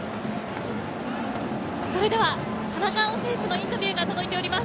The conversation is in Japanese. それでは田中碧選手のインタビューが届いております。